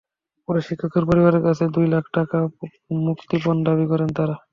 পরে শিক্ষকের পরিবারের কাছে দুই লাখ টাকা মুক্তিপণ দাবি করেন তাঁরা।